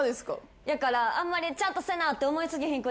やからあんまりちゃんとせなって思い過ぎひんくても大丈夫やと思う。